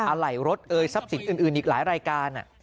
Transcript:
อะไรรถเอ่ยทรัพย์สินอื่นอีกหลายรายการ